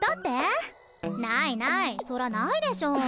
ないないそらないでしょ。